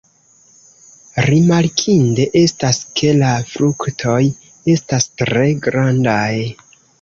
Rimarkinde estas, ke la fruktoj estas tre grandaj.